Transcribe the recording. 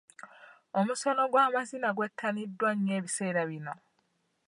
Omusono gw'amazina gwettaniddwa nnyo ebiseera bino.